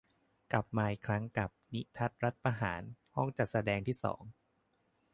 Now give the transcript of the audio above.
กลับมาอีกครั้งกับ 'นิทรรศรัฐประหาร' ห้องจัดแสดงที่สอง